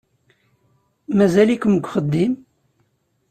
Mazal-ikem deg uxeddim?